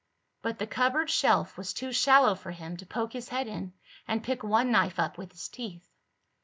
But the cupboard shelf was too shallow for him to poke his head in and pick one knife up with his teeth.